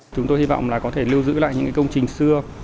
chúng tôi hy vọng là có thể lưu giữ lại những công trình xưa